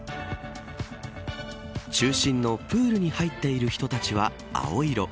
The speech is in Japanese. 中心のプールに入っている人たちは青色。